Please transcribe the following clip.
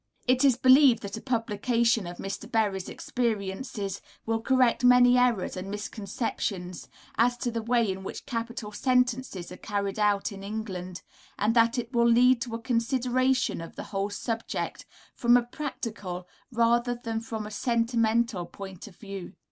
It is believed that a publication of Mr. Berry's experiences will correct many errors and misconceptions as to the way in which capital sentences are carried out in England; and that it will lead to a consideration of the whole subject, from a practical, rather than from a sentimental, point of view.